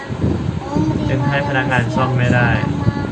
จึงให้พนักงานซ่อมไม่ได้